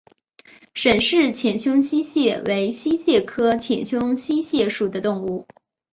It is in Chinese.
沈氏浅胸溪蟹为溪蟹科浅胸溪蟹属的动物。